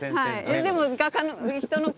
でも。